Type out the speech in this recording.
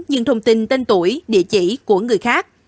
nhưng thông tin tên tuổi địa chỉ của người khác